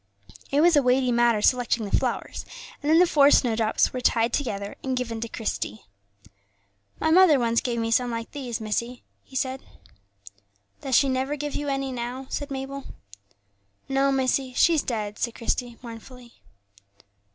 It was a weighty matter selecting the flowers; and then the four snowdrops were tied together and given to Christie. "My mother once gave me some like these, missie," he said. "Does she never give you any now?" said Mabel. "No, missie, she's dead," said Christie, mournfully.